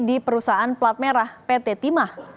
di perusahaan plat merah pt timah